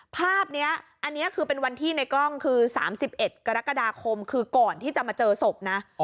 ภาพนี้อันนี้คือเป็นวันที่ในกล้องคือ๓๑กรกฎาคมคือก่อนที่จะมาเจอศพนะ